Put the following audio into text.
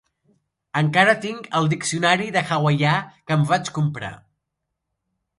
Encara tinc el diccionari de hawaià que em vaig comprar.